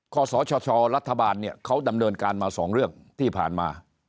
สชรัฐบาลเนี่ยเขาดำเนินการมา๒เรื่องที่ผ่านมา